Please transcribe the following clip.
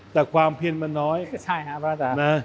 แต่ความเพียรมันน้อย